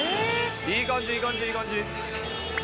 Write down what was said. いい感じいい感じいい感じ。